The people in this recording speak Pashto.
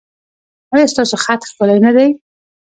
ایا ستاسو خط ښکلی نه دی؟